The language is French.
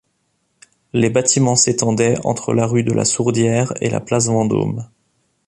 Les bâtiments s'étendaient entre la rue de la Sourdière et la place Vendôme.